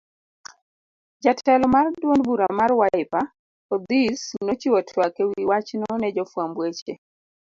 Jatelo mar duond bura mar Wiper, Odhis nochiwo twak ewi wachno ne jofuamb weche.